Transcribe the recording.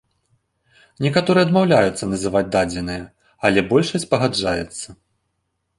Некаторыя адмаўляюцца называць дадзеныя, але большасць пагаджаецца.